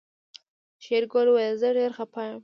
شېرګل وويل زه ډېر خپه يم.